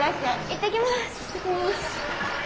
行ってきます。